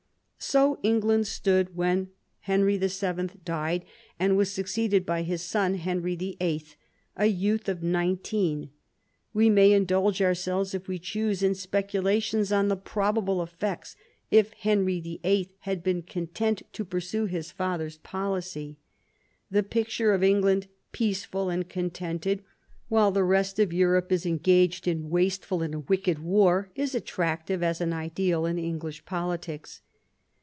So England stood when Henry VIL died, and was succeeded by his son Henry VIH., a youth of nineteen. We may indulge ourselves, if we choose, in speculations on the probable eflFects if Henry VIH. had been content to pursue his father's policy. The picture of England, peaceful and contented while the rest of Europe is en gaged in wasteful and wicked war, is attractive as an ideal in English politics.